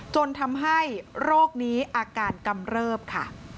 จนทำให้โรคนี้อาการกำเริบค่ะ